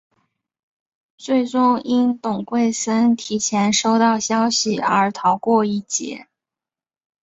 最终因董桂森提前收到消息而逃过一劫。